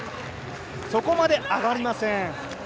そこまで上がりません。